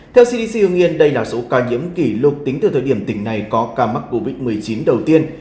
theo cdc hương yên đây là số ca nhiễm kỷ lục tính từ thời điểm tỉnh này có ca mắc covid một mươi chín đầu tiên